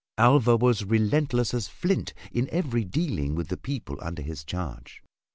Alva was relentless as flint in every dealing with the people under his charge.